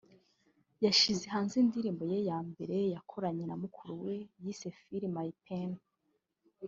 yashyize hanze indirimbo ya mbere yakoranye na mukuru we yise ‘Feel My Pain’